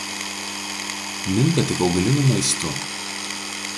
Minta tik augaliniu maistu.